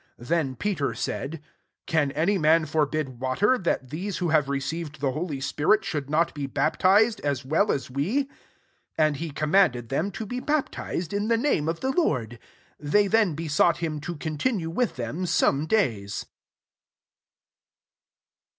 Then Peter said, 47 " Can any man forbid water, that these who have received the holy spirit, should not be baptized, as well as we ?" 48 And he command ed them to be baptized in the name of the Lord. They then besought him to continue vnth them some days.